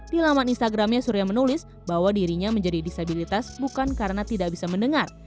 di laman instagramnya surya menulis bahwa dirinya menjadi disabilitas bukan karena tidak bisa mendengar